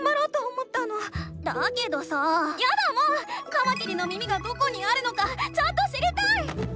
カマキリの耳がどこにあるのかちゃんと知りたい！